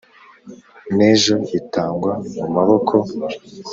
N' ejo itagwa mu maboko.